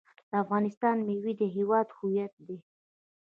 د افغانستان میوې د هیواد هویت دی.